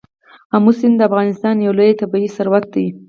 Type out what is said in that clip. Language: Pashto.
آمو سیند د افغانستان یو لوی طبعي ثروت دی.